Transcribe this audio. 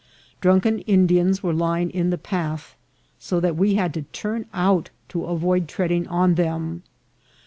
Drunken Indians were TUMBALA. 267 lying in the path, so that we had to turn out to avoid treading on them.